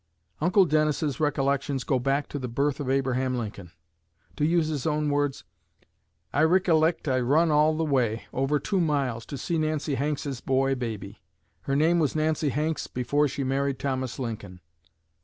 Uncle Dennis's recollections go back to the birth of Abraham Lincoln. To use his own words: "I rikkilect I run all the way, over two miles, to see Nancy Hanks's boy baby. Her name was Nancy Hanks before she married Thomas Lincoln.